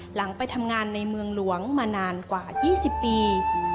หลังไปทำงานในเมืองหลวงมานานกว่า๒๐ปี